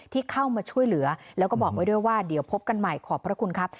ที่เข้ามาช่วยเหลือแล้วก็บอกไว้ด้วยว่าเดี๋ยวพบกันใหม่ขอบพระคุณครับ